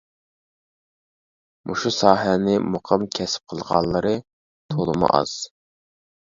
مۇشۇ ساھەنى مۇقىم كەسىپ قىلغانلىرى تولىمۇ ئاز.